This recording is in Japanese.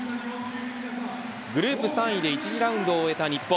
グループ３位で１次ラウンドを終えた日本。